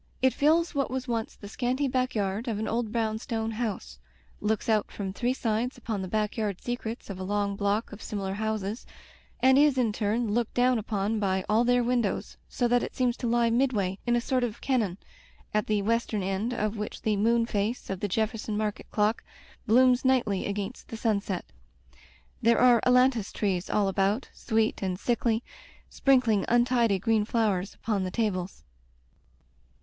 It fills what was once the scanty backyard of an old brownstone house, looks out from three sides upon the backyard secrets of a long block of similar houses, and is in turn looked down upon by all their windows, so that it seems to lie midway in a sort of caiion, at the western end of which the moon face of the Jefferson Market clock blooms nighdy against the sunset. There are ailantus trees all about, sweet and sickly, sprinkling un tidy green flowers upon the tables.